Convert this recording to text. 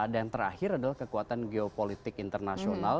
terakhir adalah kekuatan geopolitik internasional